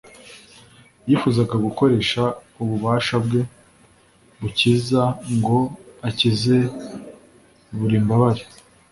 Yifuzaga gukoresha ububasha Bwe bukiza ngo akize buri mbabare